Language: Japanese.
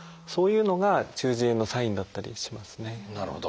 そういうのが中耳炎のサインだったりしますね。